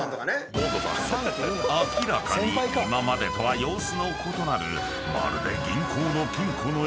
［明らかに今までとは様子の異なるまるで］